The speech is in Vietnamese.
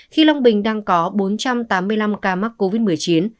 khi long bình đang có bốn trăm tám mươi năm ca mắc covid một mươi chín